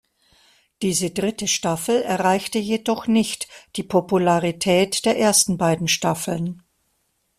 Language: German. Diese dritte Staffel erreichte jedoch nicht die Popularität der ersten beiden Staffeln.